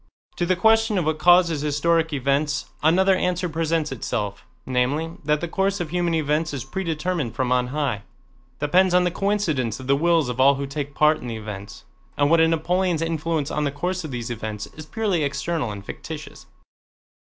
To the question of what causes historic events another answer presents itself, namely, that the course of human events is predetermined from on high—depends on the coincidence of the wills of all who take part in the events, and that a Napoleon's influence on the course of these events is purely external and fictitious.